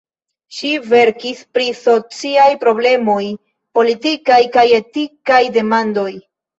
Ŝi verkis pri sociaj problemoj, politikaj kaj etikaj demandoj.